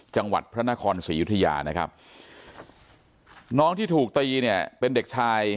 จังหวัดพระนครศรียุธยานะครับน้องที่ถูกตีเนี่ยเป็นเด็กชาย